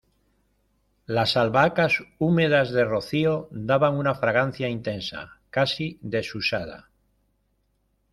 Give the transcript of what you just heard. las albahacas, húmedas de rocío , daban una fragancia intensa , casi desusada